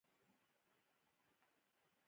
انا د زړونو تسکین ده